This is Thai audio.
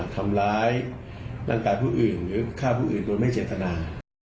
ทำร้ายร่างกายผู้อื่นหรือฆ่าผู้อื่นโดยไม่เจตนา